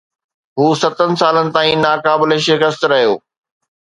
هو ستن سالن تائين ناقابل شڪست رهيو.